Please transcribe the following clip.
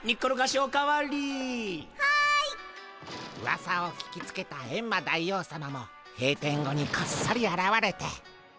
うわさを聞きつけたエンマ大王さまも閉店後にこっそりあらわれて。